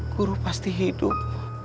guru pasti hidup